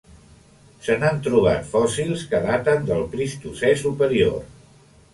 Se n'han trobat fòssils que daten del Plistocè superior.